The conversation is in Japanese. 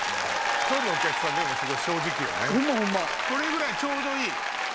これぐらいちょうどいい。